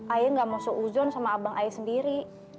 ayah nggak mau seuzon sama abang ayah sendiri